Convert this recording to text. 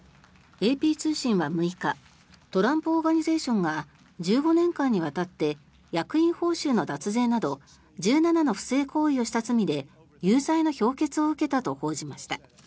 ＡＰ通信は６日トランプ・オーガニゼーションが１５年間にわたって役員報酬の脱税など１７の不正行為をした罪で有罪の評決を受けたと報じました。